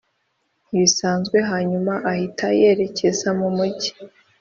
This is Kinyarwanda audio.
ntibisanzwe hanyuma ahita yerekeza mu mujyi